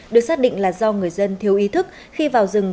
được xác định là do người dân thiếu ý thức khi vào rừng